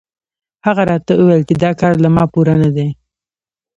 هغه راته وویل چې دا کار له ما پوره نه دی.